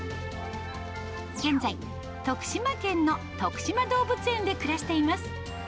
現在、徳島県のとくしま動物園で暮らしています。